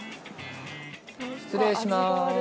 失礼します。